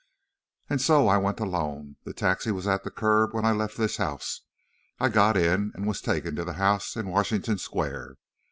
"And so, I went alone. The taxi was at the curb when I left this house. I got in, and was taken to the house in Washington Square.